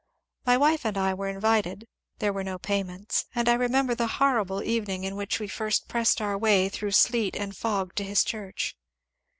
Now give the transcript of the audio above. My wife and I were invited (there were no payments), and I remember the horrible even ing in which we first pressed our way through sleet and fog to his church.